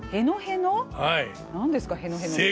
何ですか？へのへのって。